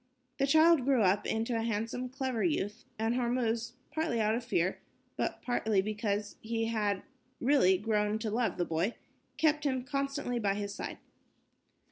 The child grew up into a handsome, clever youth, and Hormuz, partly out of fear, but partly because he had really grown to love the boy, kept him constantly by his side.